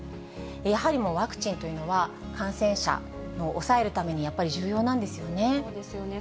やはりもうワクチンというのは、感染者の抑えるためにやっぱり重要なんですよね。